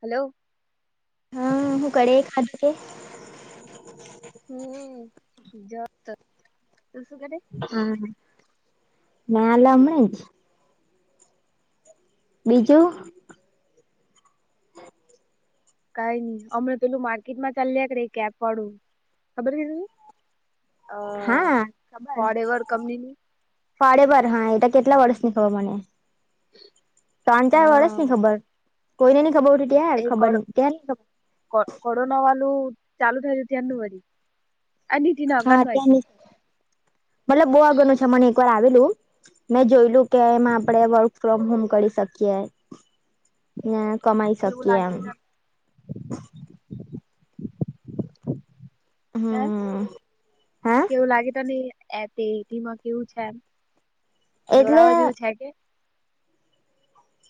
Hello. હા હું [unintelligible] હમ [unintelligible] તું શું [unintelligible] હમ ના [unintelligible] જ બીજું? કઈ નઈ હમણાં પેલું માર્કેટ માં ચાલ્યા કેપ વાળું ખબર છે તને? અ હા forever company? Forever હા એતો કેટલા વર્ષની ખબર મને. [inaudible] ત્રણ ચાર વર્ષ હા ની ખબર કોઈને નઈ ખબર ઉઠી ત્યા એ ખબર કોડ ત્યાર નઈ ખબર. કોરોના વાળું ચાલુ થયું [unintelligible] આ નીતિ ના અગાનું આઈ હાતંની થિંક મતલબ બહું આગળનું છે મને એક વાર આવેલું મેં જોયલું કે એમ આપડે વર્ક ફ્રોમ હોમ કરી શકીએ. કમાઈ કેવું શકીએ એમ. લાગી હે હમ. હા કેવું લાગે તો તને એ તેટીમાં કેવું છે એમ. એટલે જોડાવા જેવું છે કે?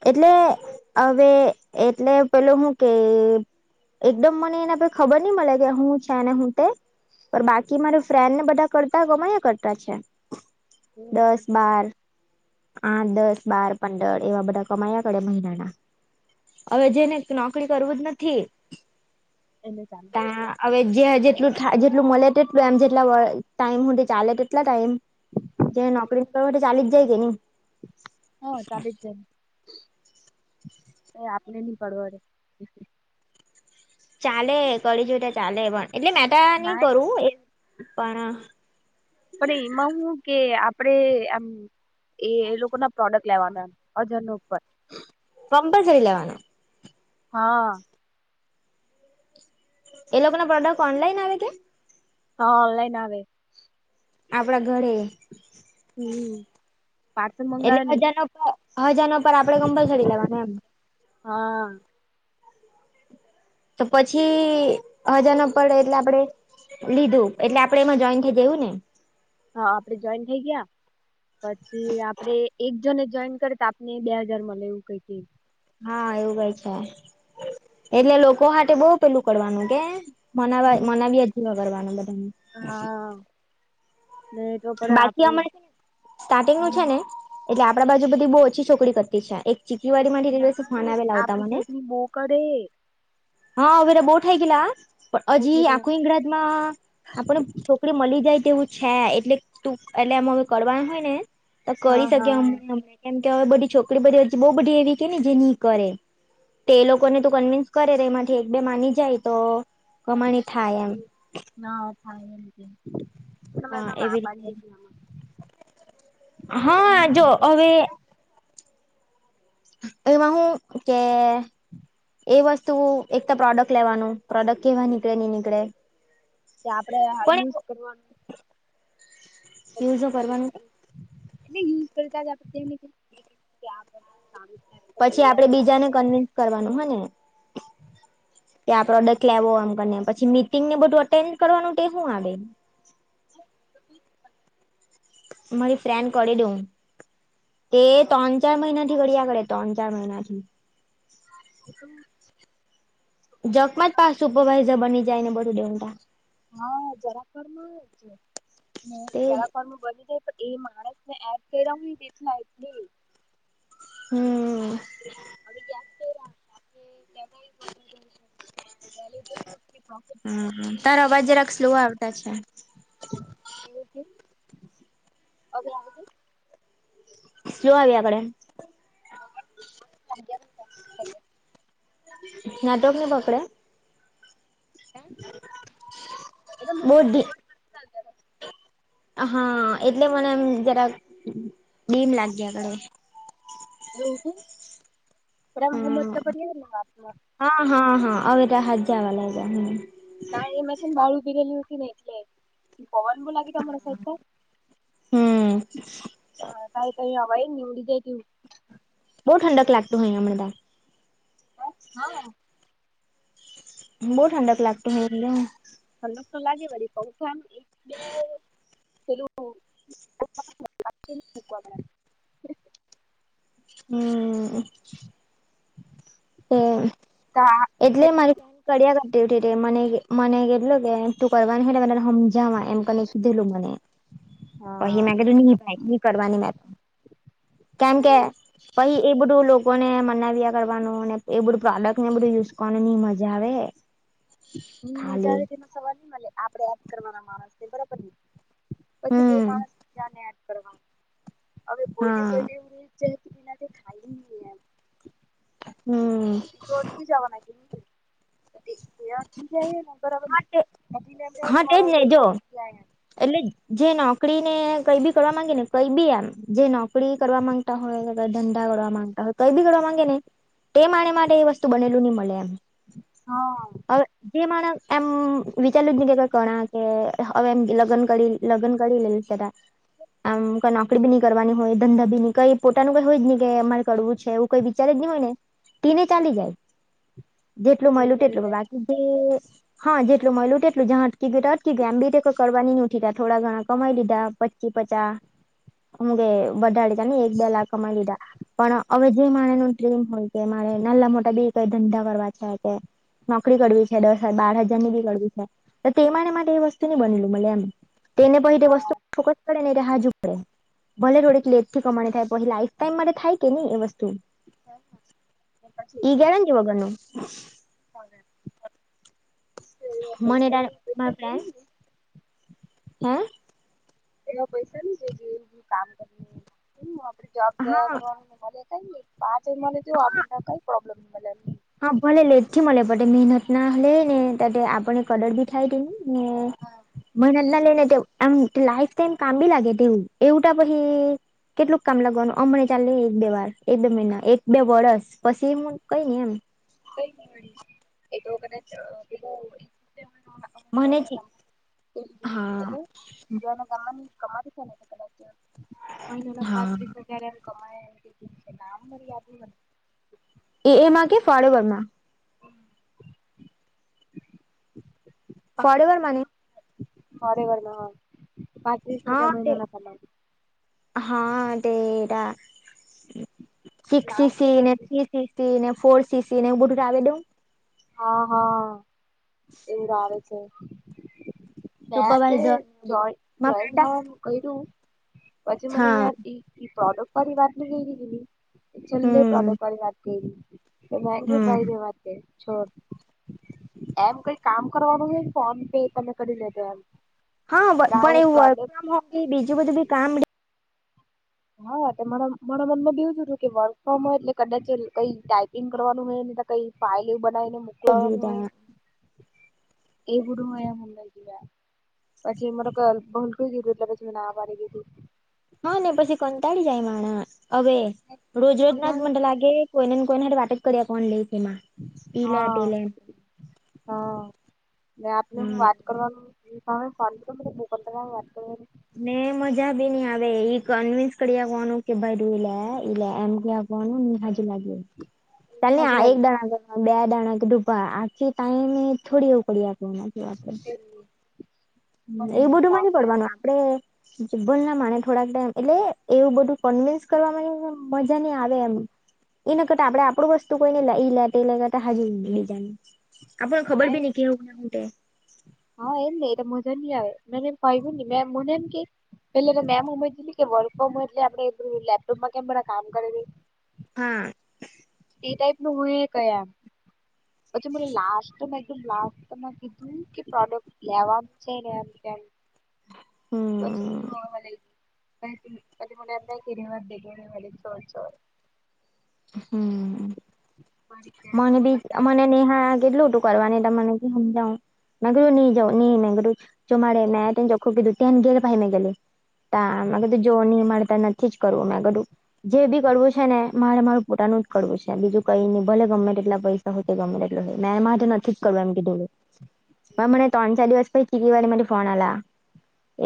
એટલે અવે એટલે પેલુ હું કે એકદમ મને એના પર ખબર નહી મળે કે હું છે ને હું તે. પણ બાકી મારે ફ્રેન્ડ ને બધા કરતા કમાયા કરતા છે દસ હમ બાર આઠ દસ બાર પંદર એવા બધા કમાયા પડે મહિનાના. હવે જેને નોકરી કરવું જ નથી [unintelligible] ત્યાં હવે જે જેટલું જેટલું મળે તેટલું એમ જેટલા ટાઈમધ ચાલે તેટલા ટાઈમ જે નોકરી કરવા માટે ચાલી જ જાય કે નહી હા ચાલી જ [unintelligible] ચાલે કરી જોઈ ત ચાલે પણ એટલે મેતા ની ના કરું એ પણ પણ એમાં હું કે આપડે આમ એ એ લોકો ના પ્રોડક્ટ લેવાના હજાર ન ઉપર કમ્પ્લસરી લેવાના? હા એ લોકો ના પ્રોડક્ટ ઓનલાઈન આવે કે હા ઓનલાઈન આવે આપણા ઘરે હમ પાર્સલ મંગાવે એટલે નઈ હજાર ના ઉપર હજારના પર આપડે કમ્પલસરી લેવાના એમ હા તો પછી હજાર ન પડે એટલે આપડે લીધું એટલે આપડે એમાં જોઈન થઇ જવું ને હા આપડે જોઈન થઈ ગયા પછી આપડે એક જને જોઈન કરી તો આપને બે હાજાર મલે એવું કઈક હા એવું કઈ છે એટલે લોકો હાટે બઉ પેલું કરવાનું કે મનાવા મનાવી અજી વા કરવારનું બધાને હા નહી તો પર બાકી આપડું અમારે સ્ટાર્ટિંગનું છે ને એટલે આપડા બાજુ બધી બહુ ઓછી છોકરી કરતી છે. એક ચીકીવાડીમાંથી તે ના દિવસે ફોન આવેલા હતા આપડી મને. સાઈડની બો કરે. હા, [unintelligible] થઈ ગયેલા હા. બો પણ થઈ હજી ગયેલા આખી ઈંગરાજમાં આપણે છોકરી મલી જાય તેવું છે. એટલે, તું એટલે એમાં હવે કરવાનું હોયને તો હા કરી હા [unintelligible] કેમ કે હવે બધી છોકરી [unintelligible] બઉ બધી એવી છે ને જે ની કરે તે એ લોકોને તું કન્વેન્સ કરે તો એમાંથી એક બે માની જાય તો કમાણી. થાય એમ [inaudible] હા એવી રીતે [unintelligible] હા જો હમ, અવે એમાં હુ કે. [inaudible] એ વસ્તુ એક તો પ્રોડક્ટ લેવાનું. પ્રોડક્ટ કેવા નીકળે ની નીકળે. કે આપડે આ પણ યુઝ કરવાનું. પછી યુઝ જો કરવાનું. એટલે યુઝ કરતા જ આપ [unintelligible] પછી આપડે બીજાને કન્વિન્સ કરવાનું હે ને. [unintelligible] ત્યા આ પ્રોડક્ટ લેવો. એમને પછી મીટિંગને બધું અટેન્ડ કરવાનું તે શું આવે? મારી ફ્રેન્ડ કરી દેવું. તે ત્રણ ચાર મહિનાથી ઘડીયા કરે, ત્રણ ચાર મહિનાથી. [unintelligible] એ તો જગમાં જ જરા પાછું સુપરવાઇઝર બની જાય ને બધું દેવતા. હા, જરાક વારમાં છે ને તે જરાક વારમાં બની જાય. એ માણસને એડ કર્યા હોય એટલા એટલે હમ. [unintelligible] હમ. તારો અવાજ જરાક સ્લો આવતા છે. એવું કે? ઓકે. જો આવી આગળ એમ. [unintelligible] નેટવર્કની પકડે? હ, એ તો મને બહુ તારો ધી વોટ નથી ચાલતો. હા, એટલે મને એમ જરાક ડીમ લાગ્યા હતા કરે. એવું કે? બધા મોહમ્મદ હમ તો કરે આત્મા હા હા હા. હવે, તો હાજા આવા લાગ્યા હમ. ના એમાં છું બાહર ઉભી રહેલી હતી ને એટલે, પવાન બો લાગી ગયો અમારા સાઈડ પર. [inaudible] [unintelligible] હા તઈ તા આવાય જની ઊડી જાય તેવું. બહુ ઠંક લાગતું હોય હમણે ત્યાં. એ હા. બહુ ઠંડક લાગતું હોય ને? ઠંડક તો લાગે વળી, પંખો એમ. કેમ? એે લોકો હમ. [unintelligible] કા કે એટલે મારી કડિયા કરતી મને, મને કેટલું કે તું કરવાની હોય, ત્યારે મે તને સમજવા એમ કરીને કીધેલું મને પછી હા. મે કીધું ની. [unintelligible] કરવાની મે કેમ ના કે એ પછી એ પડે બધું લોકોને મનાવ્યા કરવાનું એ બધું પ્રોડક્ટ ને એ બધું યુઝ કરવાનું ની મજા આવે. હમ મજા ખાલી આવે તેનો સવાલ નઈ મળે આપડે યાદ કરવાના માણસને બરાબર પછી બે હમ માણસને યાદ કરવાનું હવે કોઈને હા કોઈવું જથી એનાથી ખાઈ નહી એ હમ. ઓરથી જવાના [unintelligible] બરાબર હા તે નહી નને એમ કે હા તેજ મારો ને જો રપિયા [unintelligible] એટલે જે નોકરી ને કઈ બી કરવા માંગી ને કઈ બી એમ જે નોકરી કરવા માંગતા હોય ધંધા કડવા માંગતા હોય કઈ બી ઘડવા માંગે ને તે માણે માટે એ વસ્તુ બનેલું નહી મળે એમ. હા. હવે જે માણસ એમ વિચારલું જ નહી કે કણા કે હવે એમ લગ્ન કરી લગ્ન કરી લેવુ [unintelligible] આમ કઈ નોકરી બી નહી કરવાની હોય ધંધા બી ની કઈ પોતાનું કઈ હોય જ નહી કે અમારે કરવું છે, એવું કોઈ વિચારે જ નહી હોય ને ટેને ચાલી જાય. [inaudible] જેટલું મયલું કરે તેટલું દે બાકી જે હા જેટલું મયલું તેટલું જા‌ અટકી ગું તા અટકી ગયુ આમ બી કરવાની નથી ઉઠી તા થોડા ઘણા કમાઈ લીધા પ ચી પચા એમકે વધા લીધા ને એક બે લાખ કમાઈ લીધા પણ હવે જે મારે નુ ડ્રીમ હોય કે મારે નાના મોટા બી કઈ ધંધા કરવા છે કે નોકરી કરવી છે, દસ બાર હજાર ની બી કરવી છે, તો તે માણે માટે એ વસ્તુ નહી બનેલું મલે એમ તેને પહી તે વસ્તુ હા ફોકસ પડે ને કે હાજુ પડે. ભલે થોડી લેટ થી કમાણી થાય પણે લાઈફ ટાઈમ મારે થાય કે નિ એ વસ્તુ હા હા એ ઈ [unintelligible] ગેરંટી વગરનું. [unintelligible] મને પૈસા એદાડ મા પૈસા પ્રેન જોઈ ને હા? એવા પૈસા ની જોઈએ જે કામ કરી આપે જોબ જયા હા કરવાનું મને કઈ પાંચ મળે તે આમ કઈ પ્રોબ્લેમ ની મલે. હા ભલે લેટઠી મલે બટ એ મેહેનત ના હલે ને ત આપને કદર બી ઠાઈ દમ ને હા મહેનત ના લઈને એમ લાઈફ ટાઈમ કામ બી લાગે તેવું એવુંટ પછી કેટલુંક કામ લગવાનું અમનેં ચાલે એક બે વાર એક બે મહિના એક બે વર્સ પછી હું કઈ નહી એમ. કઈ એ તો કદાચ પે [unintelligible] એ મને જ હા [unintelligible] બીજાને ગવાની કમાતી ચાલે કદચ મહિલોના હા પાત્રીસ હજાર એમ કમાય એમ ટિ છે નામ બર યાદ એ એમાં કે ફાળવમાં? ફોડવેર મને. ફરેવરમાં હ પાચ્રીસ હજાર મહિના ના પગાર. હા તે એતા સિક્સ નામ કઈ હશે સીસી સી સી ને ફોર સીસી નેવું બધુવ દઉં. હા હા એવું આવે છે. મે તે સુપરવાઈઝર ને જ બધું મારા જયન્ટ ફ્રેન્ડ થવા કર્યું પછી મને હા પ્રોડકરી વાત ની ગઈ. ચલ્લે હમ પ્રડક વાતીગ, બરે હમ વા છોટ એમ કઈ કામ કરવાનું છે ફોન પે તમે કરી લેજો એમ. હા પણ આવું એવું વર્ક પ્રોડક્ટ ફ્રોમ હોમ બીજું બધું બી કામ હા મરા મનમાં દવું હતું કે વર્ક ફ્રોમ હોય એટલે કદાચ કઈ ટાઈપ કનું હોય ને કઈ ફાઇલ બનાવીને મોકલવાનું હોય. એ બુડું હોયા મુંબઈ ગવા. પછી એ મારે ભલું કીધું એટલે પછી ના મારી દીધું. હા ને પછી કંટાળી જાય માણસ હવે રોજરોજ ના જ બધા મને લાગે કોઈને ને કોઈને વાટ જ કર્યા કોણ લઈ તેમાં ઈ લે તે હા લે. હા મે આપને હું હા વાત કરવાનું તમે ફ તો ભૂકત લગ [unintelligible] ને મજા બી નઈ આવે ઈ કન્વીિન્સ કરી આવવાનું કે ભાઈું લ ઈલે એમ ક બન નિ હજુ લાગે ત હજુ આ એક લાગે દા બે દાણા કે ડુબા આખી ટાઈમે થોડી ઉકડી એ પણ એમ બધું ફોન ની પડવાનું આપડે જીબલ ના માણે થોડાક ટાઈમ એટલે એવું બધું કન્વિન્સ કરવા ની મજા નહી આવે એમ. એ ન કરતા આપડે આપણું વસ્તુ કોઈને એ લે એ લેતા હજુ બીજા. આપપણ ખબર બ નને કે હું તે. હા એમ નઈ એટલે મજા નની આવે મેને કહ્યું ન મે મને એમ કે પેલે મેમ સમ કે વર્કફમ હોય એટલે આપે લેપટોપમાં કે કામ કરે. હા. તે ટાઈપ ન હું એ કઈ આમ. પછી મ લાસસ્ટમાં એકમ લાસમાં તું કે પ્રોડક્ટ લેવામ છે ને એમ તેમ. વછ હમ મને મળ [unintelligible] ક કદી મ આપ કેિ રવાત દેગરીવા ચ જ હમ. મારી ફ્રેન્ડ મને લોકો બી કરતા જ મને નેહા કેટલું હતું કરવાની ત મને સમજાવ. માગરું નઈ જા નઈ મેર જો માડે મેંને ખૂબીધું તને ગે ભાઈ મે ગેલી. આગ તો જોોની મળતા ન થી જ કરવું મે કરું જે બી કરવું છે ને મારે મારું પોતાનું જ કરવું છે બીજું કઈ નહીં. ભલ ગમે એટલા પૈસાા હોય ગમે એટ મેંમાં તો નથી કરું એમ કેઢોલું. હ મને નથી ત્રણ ચાર દિવસ પૈકીીી વાલે મ ફોન આલા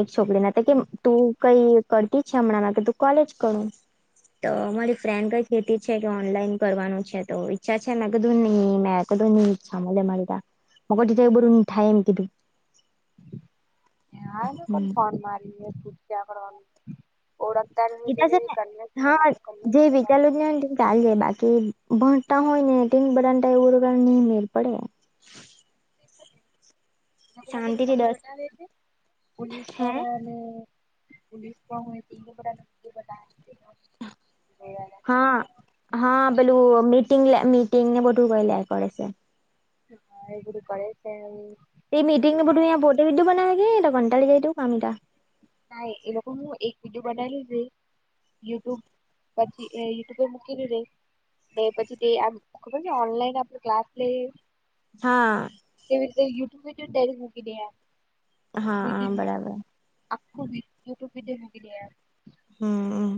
એક છોકરી ના કે તું કઈ કરતી જ છે હમણાં કે તું કોલેજ કરું. તો અમારી ફ્રેન્ડ કઈ ખેતી છે કે ઓનલાઈન કરવાનું છે તો છે છેમેં કધો નની મેં કધો ની ચ્છા મળ મળરીતા મગર ત્યા એ બ રુંઊ થાય એમકીટું હા કો ફ મારીકડવાનું એીધા છે ને હા કન્વેન્સ જે કરવાનું વિચારું ચાલ જાય બાકી ભણતા હોય ને ટીન બડાતા એવું રો નહીં મેર પડે એ શાંતિથી વિડીયો દસ બતાવે છે પોલીસ હે દ્વાળા અને પોલીસ પણઈ તેને બા ન બતા હા. હા પેલું મીટિંગ મીટિંગને બધું ક લે કરે છે. હા એ બધું કરે છે. એ મિટીંગને એમાં બધુંહીં પોતે વિડીધ બનાવેગ કે એ તો ઘ કતાાલી જાય તો કામટ ના એ લોકો હું એક વિડીયો બનાવી લ યુટ્યુબ પછી યુટ્યુબ મૂકેલ રે પછી તે આમ ખબર છે ઓનલાઈન આપ ક્લાસ લઈ હા. કે ટ્યુબકી હા મીટંગમા બરાબર આપકું બી યુટ્યબ ભી દેને ગયા હમ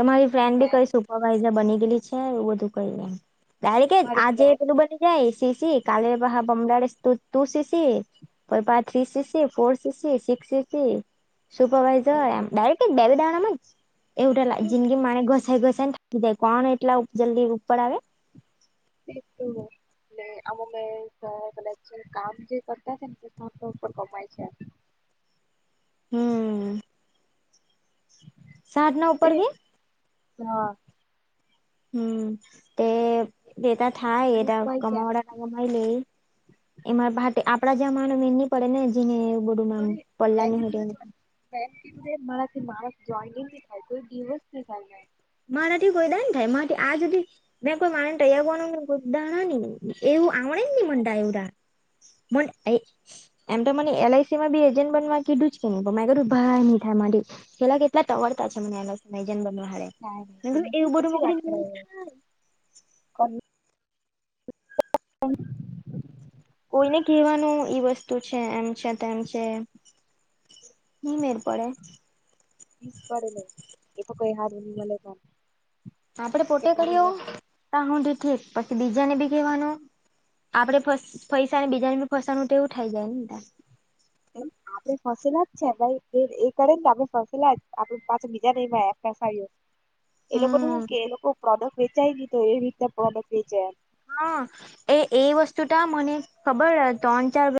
તમારી ફ્રેન્ડ બી દે કઈ સુપરવાઈઝર બની ગયેલી છે એવું બધું. ડક મારી આજે ફ્રેન્ડ પેલું બને. જઈ શીશી કાલે બહા બમડ ર તું તું શીશી. પપ ત્રી C સસી four CC six CC. હું સુપરવાઈઝર એમ ડાયરેક્ટ દેવી દાણામાં જ એવ જિંદગી મારે ઘસાઈ ઘસાયને. કીધ કોણ એટલા જલ્દી ઉપર આવે. એ તો. આમ મે કામ જે કરતા છે નેર કમાય છે. હમ. સાઠના તે ઉપર કે. હા. હમ તે મેં એતા થાય એદ કમાડા. રમાઈ લે એમાં આપડા જમાનું એની. પડે ને જેને બડુંમ પડલા નની હો. કીધું ને મારાથી મારા જોઈનંગ થાય કોઈ દિવોસ ન થાય. મારા થી કોઈ દાણ થાય માથી આજી મેં કોઈ મારે ને તૈગવાનું દણા ન. એવું આવડે નહી મ એવડા. એમ તો મને એલ આઈસી માં બી એજન્ટ બનવા કીધું જ કે ન કધું ભરાય નહી થાય મારી. પેલા કેટલા અવડતા છે મને એલાયજન બન હે. નાહી ન તમેથી પછ વાત. [unintelligible] કોઈને કહેવાનું ઈ વસ્તુ છે એમ છે તેમ છે. નિનીમર પડે. રીક પડે એ તો કઈ હાર ન મળે પણ. આપડે પોતે કેટલા દિવસ કરી્યો હું ી ઠીક પછી બીજાને બી કહેવાનું. આપડે ફસાને બીજાને ફસાનું એવું થઇ જાય ને ત. હા. ફસેલા જ છે ભાઈ એ કરે ને તો આપણે ફસેલા જ આપડે પાછ બીજા ને ફસ. એ લોકો ન હમ્મ શું કે એ લોકો પ્રોડક્ટ વેચાય ગ તો એવી રીતના પ્રોડક્ટ વેચાયમ. હા એ એ વસ્તુ ત મને ખબર ત્રણ ચાર